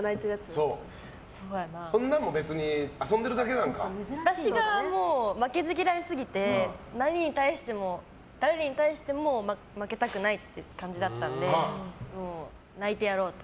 そんなの別に私がもう負けず嫌いすぎて何に対しても誰に対しても負けたくないって感じだったんで泣いてやろうと。